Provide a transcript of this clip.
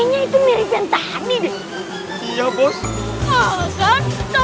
jangan lupa like share dan subscribe ya